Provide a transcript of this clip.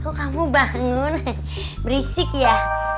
kamu bangun berisik ya